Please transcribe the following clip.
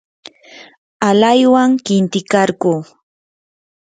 alaywan qintikarquu.